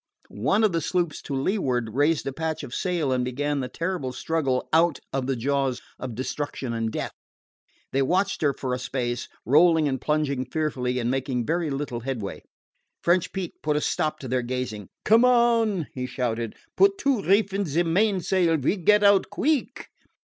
One of the sloops to leeward raised a patch of sail and began the terrible struggle out of the jaws of destruction and death. They watched her for a space, rolling and plunging fearfully, and making very little headway. French Pete put a stop to their gazing. "Come on!" he shouted. "Put two reef in ze mainsail! We get out queeck!"